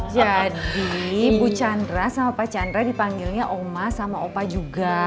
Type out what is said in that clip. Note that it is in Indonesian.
jadi bu chandra sama pak chandra dipanggilnya omah sama opah juga